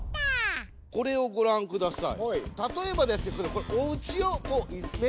これをごらんください。